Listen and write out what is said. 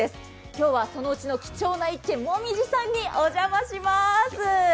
今日はそのうちの貴重な１軒、もみじさんにお邪魔します。